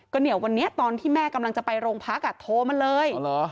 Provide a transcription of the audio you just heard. ก็เนี่ยวันนี้ตอนที่แม่กำลังจะไปโรงพักโทรมาเลย